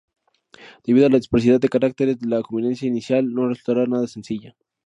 Debido a la disparidad de caracteres la convivencia inicial no resultará nada sencilla.